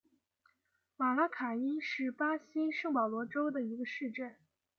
马拉卡伊是巴西圣保罗州的一个市镇。